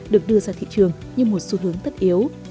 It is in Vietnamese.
được đưa ra thị trường như một xu hướng tất yếu